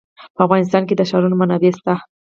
په افغانستان کې د ښارونه منابع شته.